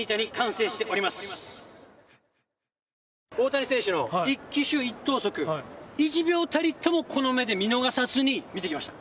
大谷選手の一挙手一投足、１秒たりともこの目で見逃さずに見てきました。